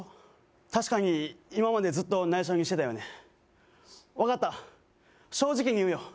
確かに今までずっと内緒にしてたよね分かった正直に言うよ